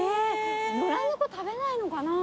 野良猫食べないのかな。